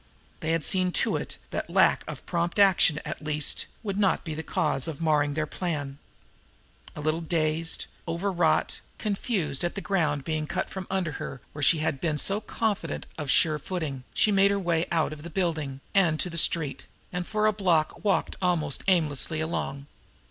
They had seen to it that lack of prompt action, at least, would not be the cause of marring their plans. A little dazed, overwrought, confused at the ground being cut from under her where she had been so confident of a sure footing, she made her way out of the building, and to the street and for a block walked almost aimlessly along.